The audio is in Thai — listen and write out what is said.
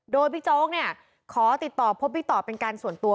โดยบิ๊กโจ๊กเนี่ยขอติดต่อพบบิ๊กต่อเป็นการส่วนตัว